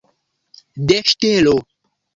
De ŝtelo?